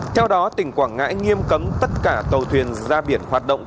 theo đó tỉnh quảng ngãi nghiêm cấm tất cả tàu thuyền ra biển hoạt động